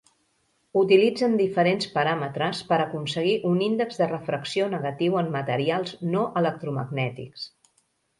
Utilitzen diferents paràmetres per aconseguir un índex de refracció negatiu en materials no electromagnètics.